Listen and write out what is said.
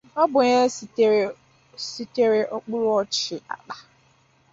Ọ bụ onye sitere okpuruọchị Apa